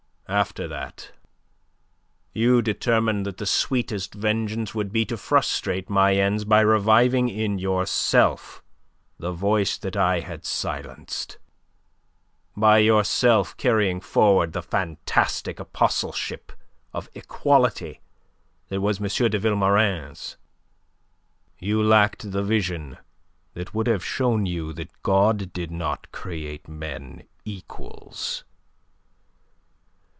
"After that. You determined that the sweetest vengeance would be to frustrate my ends by reviving in yourself the voice that I had silenced, by yourself carrying forward the fantastic apostleship of equality that was M. de Vilmorin's. You lacked the vision that would have shown you that God did not create men equals.